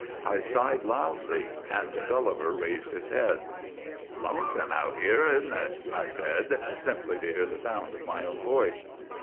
I sighed loudly, and Gulliver raised his head. ' Lonesome out here, is n't it ?' I said, simply to hear the sound of my own voice.